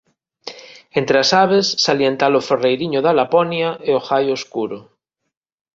Entres as aves salientar o ferreiriño da Laponia e o gaio escuro.